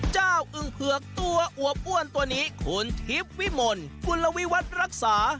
อึงเผือกตัวอวบอ้วนตัวนี้คุณทิพย์วิมลกุลวิวัตรรักษา